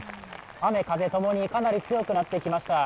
雨・風ともに、かなり強くなってきました。